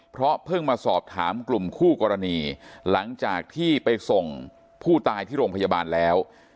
เพราะเพิ่งมาสอบถามกลุ่มคู่กรณีหลังจากที่ไปส่งผู้ตายที่โรงพยาบาลแล้ว